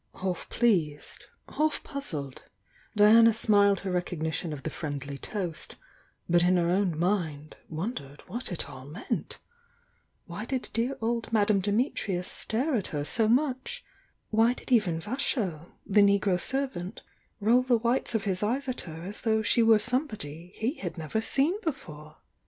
Half pleased, half puzzled, Diana smiled her rec ognition of the friendly toast, but in her own mind, wondered what it all meant? Why did dear old Madame Dimitrius stare at her so much? Why did even Vasho, the negro servant, roll the whites of his eyes at her as though she were somebody he had never seen before?